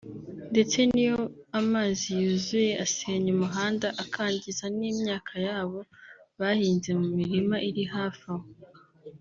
ndetse n’iyo amazi yuzuye asenya umuhanda akangiza n’imyaka yabo bahinze mu mirima iri hafi aho